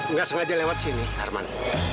nggak sengaja lewat sini arman